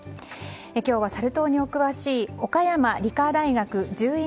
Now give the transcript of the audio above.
今日はサル痘にお詳しい岡山理科大学獣医